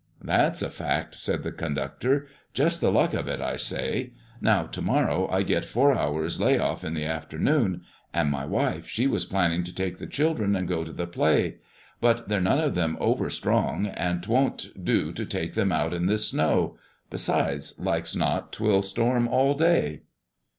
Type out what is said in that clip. "That's a fact," said the conductor. "Just the luck of it, I say. Now to morrow I get four hours lay off in the afternoon, and my wife, she was planning to take the children and go to the play. But they're none of 'em over strong, and 't won't do to take 'em out in this snow. Besides, like's not 'twill storm all day."